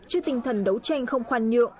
trước tinh thần đấu tranh không khoan nhượng